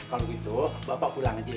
kalau gitu bapak pulang aja